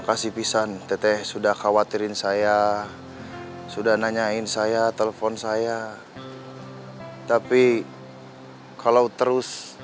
kasih pisan teteh sudah khawatirin saya sudah nanyain saya telepon saya tapi kalau terus